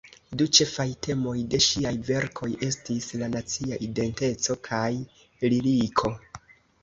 Du ĉefaj temoj de ŝiaj verkoj estis la nacia identeco kaj liriko.